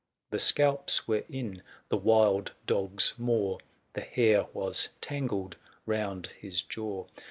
425 The scalps were in the wild dog's maw. The hair was tangled round his jaw.